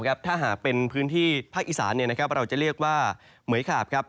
ถ้าหากเป็นพื้นที่ภาคอีสานเราจะเรียกว่าเหมือยขาบครับ